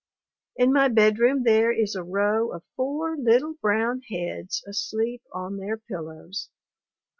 In my bedroom there is a row of four little brown heads asleep on their pillows.